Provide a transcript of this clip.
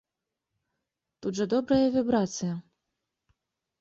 Тут жа добрая вібрацыя!